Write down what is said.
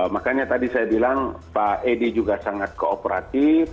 makanya tadi saya bilang pak edi juga sangat kooperatif